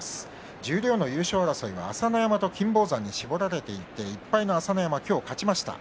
十両の優勝争いは朝乃山と金峰山に絞られていて１敗の朝乃山、今日、勝ちました。